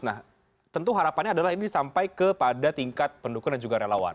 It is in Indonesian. nah tentu harapannya adalah ini sampai kepada tingkat pendukung dan juga relawan